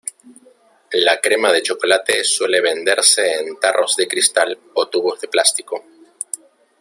La crema de chocolate suele venderse en tarros de cristal o tubos de plástico.